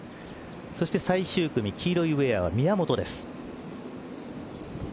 そして最終組黄色いウエアは宮本です。